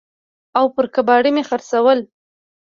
او پر کباړي مې خرڅول.